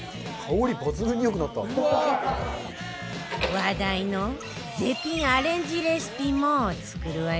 話題の絶品アレンジレシピも作るわよ